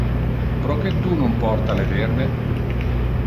Proque tu non porta le verde?